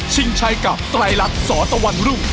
ชัยกับไตรรัฐสตะวันรุ่ง